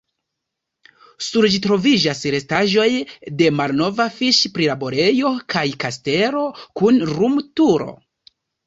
Sur ĝi troviĝas restaĵoj de malnova fiŝ-prilaborejo kaj kastelo kun lumturo.